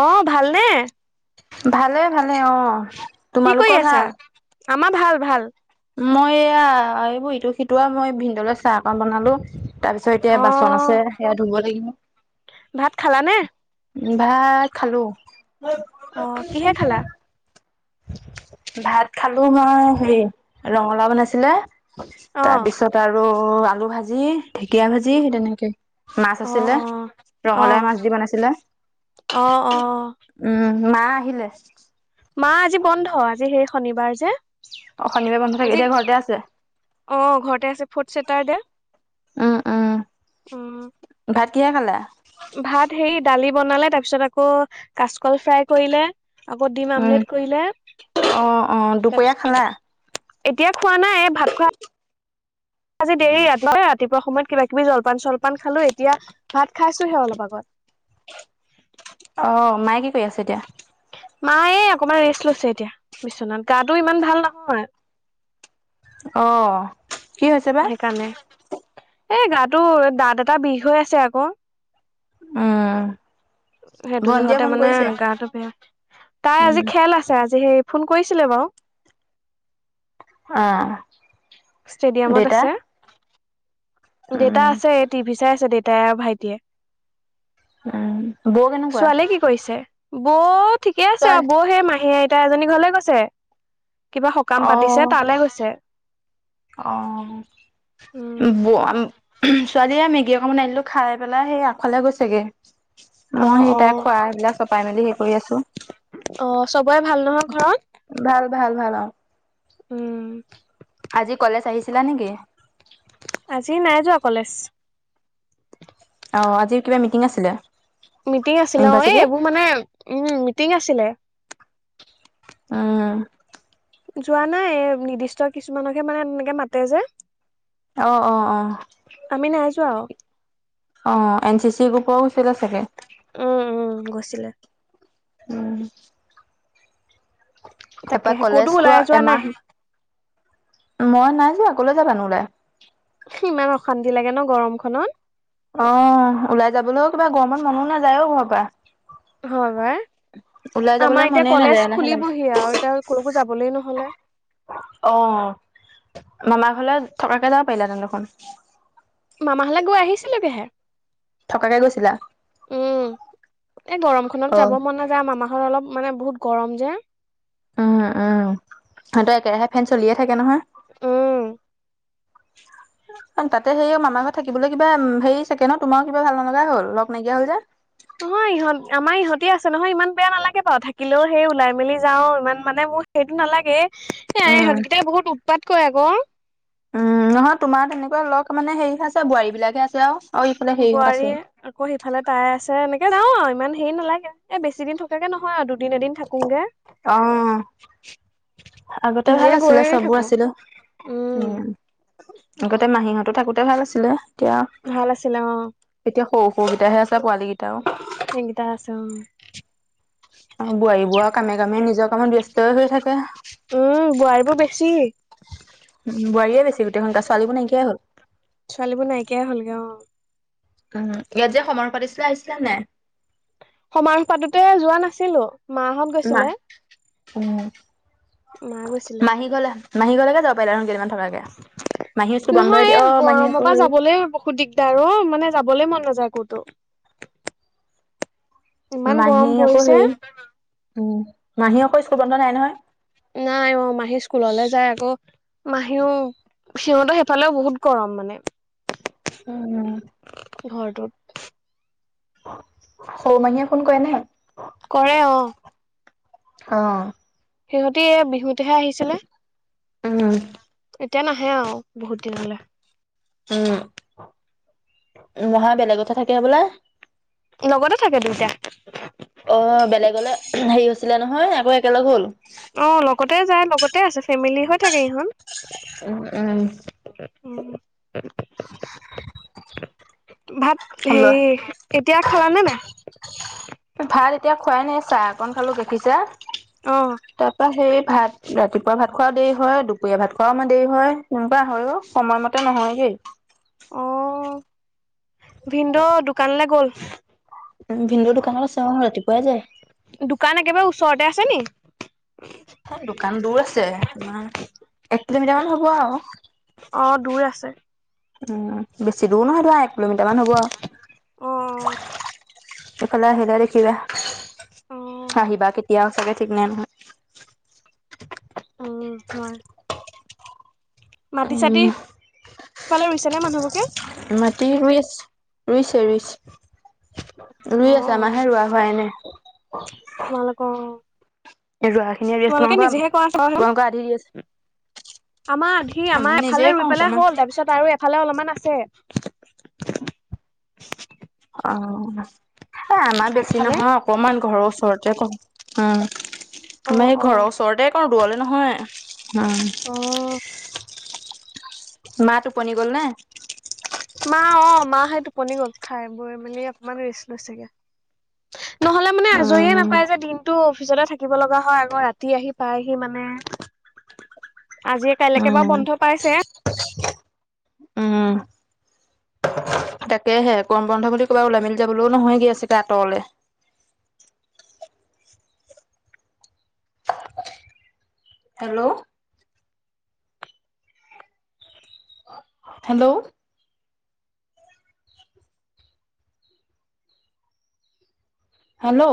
অ ভালনে ভালে ভালে অ কি কৰি তোমালোকৰ আছা, ভাল আমাৰ ভাল ভাল মই এয়া এইবোৰ ইটো সিটো আৰু মই ভিনদলৈ চাহ অক বনালো তাৰপিছত এতিয়া অ বাচন আছে সেয়া ধুব লাগিব ভাত খালা নে ভাত খালো অ কিহে খালা ভাত খালো মই সেই ৰঙালাও বনাইছিলে অ তাৰপিছত তাৰো আলু ভাজি, ঢেকীয়া ভাজি সেই তেনেকেই মাছ অ আছিলে অ অ ৰঙালাও মাছ দি বনাইছিলে অ অ উম মা আহিলে মা আজি বন্ধ আজি সেই শনিবাৰ যে অ শনিবাৰে বন্ধ থাকে আজি এতিয়া ঘৰতে আছে অ ঘৰতে আছে ফ'ৰ্ড চেটাৰ দে উম উম ভাত কিহে খালা? ভাত সেই দালি বনালে তাৰপিছত আকৌ কাচকল ফ্ৰাই কৰিলে আকৌ দিম উম আমলেট কৰিলে অ অ দুপৰীয়া খালা তাৰপিছত এতিয়া খোৱা নাই এ ভাত খোৱা আজি দেৰি ৰাতিপুৱা সময়ত কিবা-কিবি জলপান - চলপান খালো এতিয়া ভাত খাইছোহে অলপ আগত অ মায়ে কি কৰি আছে এতিয়া মায়ে অকমান ৰেষ্ট লৈছে এতিয়া বিচনাত গাটো ইমান ভাল নহয় অ', কি হৈছে বা? সেইকাৰণে এ গাটো দাঁত এটা বিষ হৈ আছে আক। উম সেইটো ভন্টিয়ে জহতে ফোন মানে কৰিছে? গাটো বেয়া তাই আজি উম, খেল আছে আজি সেই ফোন কৰিছিলে বাৰু অ ষ্টেডিয়ামত দেউতা? আছে দেউতা উম, আছে টিভি চাই আছে দেউতাই আৰু ভাইটিয়ে উম বৌ কেনেকুৱা কৈছে বৌ ঠিকে আছে আও বৌ সেই মাহী আইতা এজনীৰ ঘৰলে গৈছে কিবা সকাম পাতিছে অ', তালে গৈছে অ উম বৌ ছোৱালীয়ে মেগি অক মান বনাই দিলোঁ খাই পেলাই সেই আগফালে গৈছেগে অ মই সেই অ তাই খোৱা সেইবিলাক চপাই মেলি সেই কৰি আছো অ চবৰে ভাল নহয় ঘৰত ভাল ভাল ভাল অ উম আজি কলেজ আহিছিলা নেকি আজি নাই যোৱা কলেজ অ আজিৰ কিবা মিটিং আছিলে মিটিং আছিলে অ এই ইউনিভাৰ্চিটিৰ? এইবোৰ মানে উম মিটিং আছিলে উম যোৱা নাই এ নিৰ্দিষ্ট কিছুমানহে মানে এনেকে মাতে যে অঁ অঁ অঁ। আমি নাই যোৱা আও। অঁ এন চি চি গ্ৰুপও আছিলে চাগে। উম উম গৈছিলে। উম' তাপা তাকেহে ক'তো কলেজটোৱা ওলাই যোৱা নাই এমাহ মই নাই যোৱা কলৈ যাবা নু ওলাই। ইমান অশান্তি লাগে ন গৰম খনত। অঁ ওলাই যাবলও কিবা গৰমত মনু নাযায় ও ঘৰৰ পা। হয় পাই ওলাই যাবলৈ আমাৰ এতিয়া মনে নাযায় কলেজ এলাহে লাগে খুলিবহি আৰু এতিয়া কলৈকো যাবলেই নহলে। অঁ মামা ঘলে থকাকে যাব পাৰিলা হেতেন দেখোন। মামাঘৰলে গৈ আহিছিলোগেহে। থকাকে গৈছিলা উম এই অ গৰমখনত যাব মন নাযায় মামাক- অলপ মানে বহুত গৰম যে, উম উম সিহতৰ একেৰাহে ফেন চলিয়ে থাকে নহয়। উম' তাতে সেই মামাৰ ঘৰত থাকিবলৈ কিবা হেৰি চাগে ন তোমাৰ কিবা ভাল নলগাই হ'ল লগ নাইকিয়া হ'ল যে। নহয় ইহঁত আমাৰ ইহতে আছে নহয় ইমান বেয়া নালাগে বাৰু থাকিলেও সেই ওলাই মেলি যাও ইমান মানে মোৰ- এইটো নালাগে এ উম সিহঁতকেইটাই বহুত উৎপাত কৰে আক। উম নহয় তোমাৰ তেনেকুৱা লগ মানে হেৰিহে আছে বোৱাৰী বিলাকহে আছে আও। বোৱাৰীয়ে। আকৌ সিফালে তাই আছে এনেকে যাওঁ আৰু ইমান হেৰি নালাগে এ বেছি দিন থকাকে নহয় আৰু দু- অঁ' আগতে ভাল এনে আছিলে গৈয়ে চবো থাকো আছিলো উম'। আগতে মাহীহঁতো থাকোতে ভাল আছিলে। এতিয়া ভাল আছিলে অ এতিয়া সৰু সৰুগিটাহে আছে পোৱালি গিতাও। সেইগিটা আছে অঁ। বোৱাৰী বোৱাৰ কামে কামে নিজৰ কামত ব্যস্তয় হৈ থাকে। উম' বোৱাৰী বোৰ বেছি। উম' বোৱাৰীয়ে বেছি গোটেই খন ছোৱালীবোৰ নাইকিয়াই হ'ল। ছোৱালীবোৰ নাইকিয়াই হ'লগে অঁ'। উম' ইয়াত যে সমাৰুহ পাতিছিলে আহিছিলা নে নাই। সমাৰুহ পাতোতে যোৱা নাছিলোঁ। মাহঁত, গৈছিলে মাহ উম মা গৈছিলে মাহি ঘলে- মাহী ঘলেকে যাব পাৰিলা হয় কেইদিনমান থকাকে। মাহী স্কুল বন্ধই নহয় দিয়ে এই অ মাহী গৰম আকৌ পা হেৰি যাবলেই বহুত দিগদাৰ। ডাৰ, মানে যাবলেই মন নাযায় কতো। ইমান মাহী গৰম আকৌ' পৰিছে হেই উম মাহী আকৌ স্কুল বন্ধ নাই নহয়। নাই অ' মাহী স্কুললে যায় আকৌ'। মাহীও সিহঁত সেইফালেও বহুত গৰম মানে। উম' ঘৰটোত। সৰু মাহীয়ে ফোন কৰে নে নাই। কৰে অঁ। অঁ' সিহঁতি এ বিহুতেহে আহিছিলে। উম এতিয়া নাহে আও বহুত দিনলে। উম মহা বেলেগতহে থাকে হবলা। লগতে থাকে দুইটা। অ' বেলেগলে হেৰি হৈছিলে নহয়। আকৌ একেলগ হ'ল। অ' লগতে যায় লগতে আছে ফেমিলি হৈ থাকে ইহঁত। উম' উম' ভাত হেৰি এতিয়া লোৱা খালানে নাই ভাত এতিয়া খুৱাই নাই চাহ অকন খালো, গাখীৰ অ চাহ তাৰপা সেই ভাত ৰাতিপুৱা ভাত খোৱাও দেৰি হয় দুপৰীয়া ভাত চু খোৱাও আমাৰ দেৰি হয় তেনেকোৱা হয় সময়মতে নহয়গেই। অ ভিনদেও দোকানলৈ গ'ল। উম ভিনডেও দোকানত আছে অ ৰাতিপুৱাই যায়। দোকান একেবাৰে ওচৰতে আছে নি। হে দোকান দূৰ আছে তোমাৰ এক কিলোমিটাৰ মান হ'ব আৰু অ দূৰ আছে। উম' বেছি দূৰ নহয় ধৰা এক কিলোমিটাৰ মান হ'ব অ আৰু। এইফালে আহিলে দেখিবা অ আহিবা। আহিবা কেতিয়াও চাগে ঠিক নাই নহয়। উ হয়। মাটি চাতি উম সেইফালে ৰুইছে নে মানুহবোৰে। মাটি ৰুই আছে। ৰুইছে, ৰুইছে অ ৰুই আছ অ আমাৰহে ৰোৱা হোৱাই নাই অ তোমালোকৰ এই ৰোৱা খিনিয়ে ৰেষ্ট তোমালোকে তোমালোকৰ নিজেহে কৰা চোৱা হেন তোমালোকৰ আধি দি আছে। আমাৰ আধি আমাৰ নিজে এফালে কওঁ ৰুই পেলাই অকমান। হ'ল তাৰপিছত আৰু এফালে অলপমান আছে। অ' এই আমাৰ বেছি আগফালে নহয় অকমান ঘৰৰ ওচৰতে উম অ আমাৰ এই অ ঘৰৰ ওচৰতে- কৰো দূৰলে নহয়, উম। অ মাঁ টোপনি গল নে? মা অ' মা সেই টোপনি গ'ল খাই বৈ মেলি অকণমান ৰেষ্ট লৈছেগে। নহ'লে মানে আজৰিয়ে উম, নাপায় যে দিন টো অফিচতে থাকিব লগা হয় আকৌ ৰাতি আহি পাইহি মানে, আজি কাইলেকে বাও উম, বন্ধ পাইছে। উম। তাকেহে গৰম বন্ধ বুলি কবাত ওলাই মেলি যাবলৈও নহয়গে চাগে আঁতৰলে। হেল্ল'। হেল্ল'। হেল্ল